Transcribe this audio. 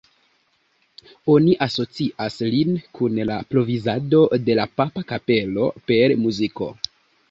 Oni asocias lin kun la provizado de la papa kapelo per muziko.